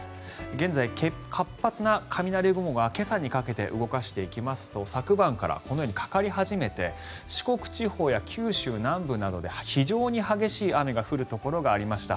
現在、活発な雷雲が今朝にかけて動かしていきますと昨晩からこのようにかかり始めて四国地方や九州南部などで非常に激しい雨が降るところがありました。